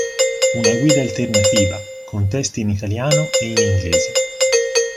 Una guida alternativa", con testi in italiano e inglese.